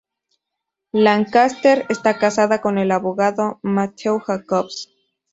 Lancaster está casada con el abogado Matthew Jacobs.